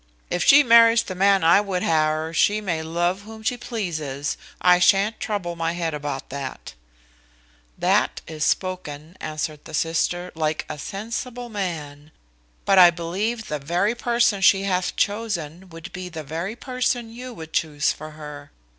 If she marries the man I would ha' her, she may love whom she pleases, I shan't trouble my head about that." "That is spoken," answered the sister, "like a sensible man; but I believe the very person she hath chosen would be the very person you would choose for her.